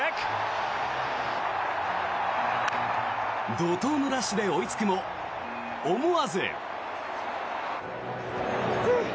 怒とうのラッシュで追いつくも思わず。